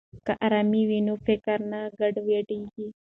که ارامي وي نو فکر نه ګډوډیږي.